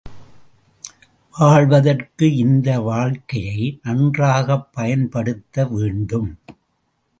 வாழ்வதற்கு இந்த வாழ்க்கையை நன்றாகப் பயன்படுத்த வேண்டும்.